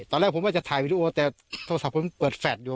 ตอนแรกผมว่าจะถ่ายวีดีโอแต่โทรศัพท์ผมเปิดแฟลตอยู่